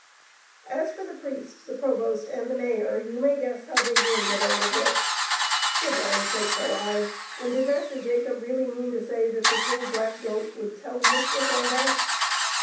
As for the priest, the provost, and the mayor, you may guess how they grinned at all of this. Good land sake's alive ! And did Master Jacob really mean to say that the little black goat would tell the mistress all that?